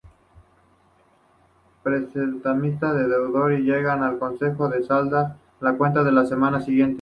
Prestamista y deudor llegan al consenso de saldar la cuenta a la semana siguiente.